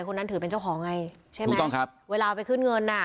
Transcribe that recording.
คนนั้นถือเป็นเจ้าของไงใช่ไหมครับเวลาไปขึ้นเงินอ่ะ